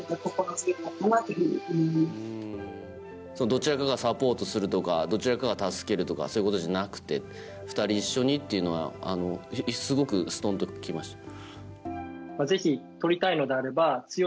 どちらかがサポートするとかどちらかが助けるとかそういうことじゃなくて２人一緒にというのはすごくすとんときました。